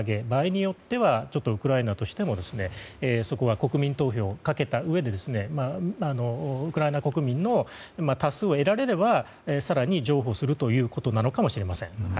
場合によってはウクライナとしてもそこは国民投票にかけたうえでウクライナ国民の多数を得られれば更に譲歩するということなのかもしれません。